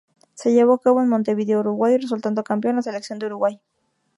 Se llevó a cabo en Montevideo, Uruguay, resultando campeón la selección de Uruguay.